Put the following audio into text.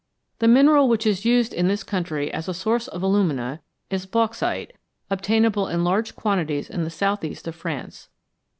The mineral which is used in this country as a source of alumina is "bauxite," obtainable in large quantities in the south east of France.